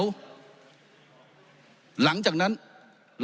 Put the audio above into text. ท่านนายกคือทำร้ายระบอบประชาธิปไตยที่มีพระมหาคศัตริย์